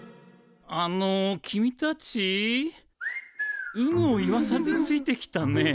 あの君たち有無を言わさずついてきたね。